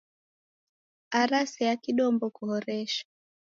Ara sea kidombo kuhoreshe